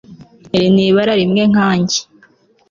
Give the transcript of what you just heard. iri ni ibara rimwe nkanjye